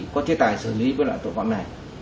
có chế tài xử lý với loại tội phạm này